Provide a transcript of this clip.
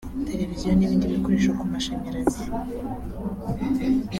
televiziyo ni’bindi bikoresho ku mashanyarazi